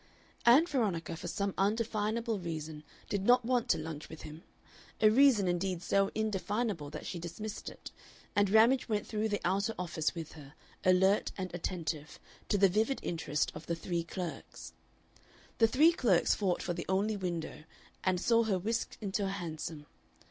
Ann Veronica for some indefinable reason did not want to lunch with him, a reason indeed so indefinable that she dismissed it, and Ramage went through the outer office with her, alert and attentive, to the vivid interest of the three clerks. The three clerks fought for the only window, and saw her whisked into a hansom.